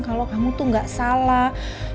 kalau kamu tuh gak salah